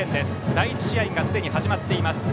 第１試合がすでに始まっています。